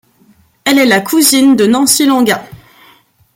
Elle est la cousine de Nancy Langat.